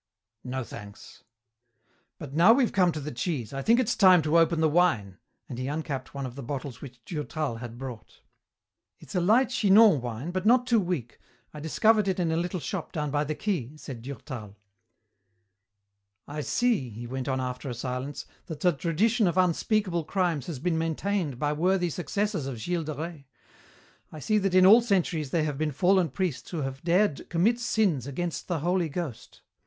"No, thanks. But now we've come to the cheese, I think it's time to open the wine," and he uncapped one of the bottles which Durtal had brought. "It's a light Chinon wine, but not too weak. I discovered it in a little shop down by the quay," said Durtal. "I see," he went on after a silence, "that the tradition of unspeakable crimes has been maintained by worthy successors of Gilles de Rais. I see that in all centuries there have been fallen priests who have dared commit sins against the Holy Ghost.